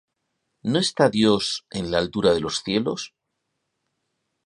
¿No está Dios en la altura de los cielos?